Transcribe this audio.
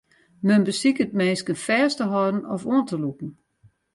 Men besiket minsken fêst te hâlden of oan te lûken.